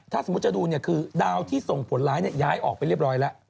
ถ้าสมมุติจะดูคือดาวที่ส่งผลร้ายย้ายออกไปเรียบร้อยแล้ว